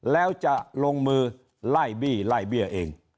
แล้วจะลงมือไล่บี้ไล่เบี้ยเอง